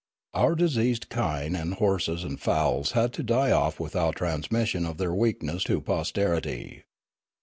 Our diseased kine and horses and fowls had to die off without transmission of their weakness to posterity.